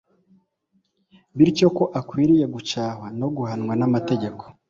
Bityo ko akwiriye gucyahwa no guhanwa namategeko